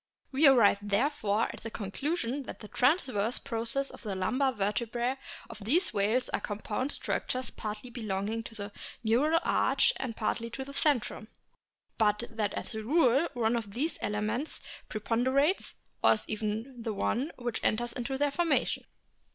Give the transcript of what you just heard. We arrive therefore at the conclusion that the transverse processes of the lumbar vertebrae of these whales are compound structures partly belonging to the neural arch and partly to the centrum, but that as a rule one of these elements preponderates, or is even the only one which enters into their formation.